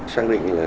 xác định là